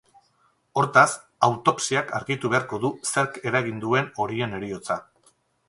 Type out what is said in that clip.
Hortaz, autopsiak argitu beharko du zerk eragin duen horien heriotza.